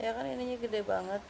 ya kan ininya gede banget